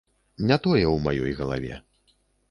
Не тое ў маёй галаве.